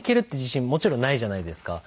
もちろんないじゃないですか。